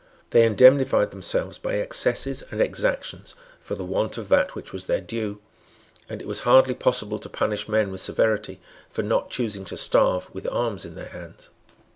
They indemnified themselves by excesses and exactions for the want of that which was their due; and it was hardly possible to punish men with severity for not choosing to starve with arms in their hands.